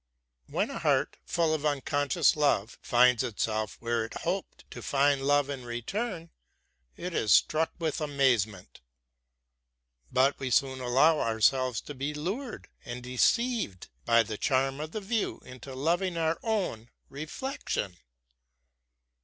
When a heart, full of unconscious love, finds itself where it hoped to find love in return, it is struck with amazement. But we soon allow ourselves to be lured and deceived by the charm of the view into loving our own reflection.